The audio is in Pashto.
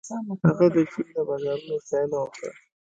هغه د چین د بازارونو ستاینه وکړه.